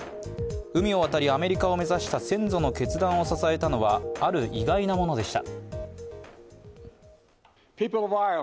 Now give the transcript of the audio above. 海を渡り、アメリカを目指して先祖の決断を支えたものは、ある意外なものでした。